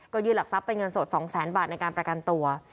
ยื่นหลักทรัพย์เป็นเงินสด๒แสนบาทในการประกันตัว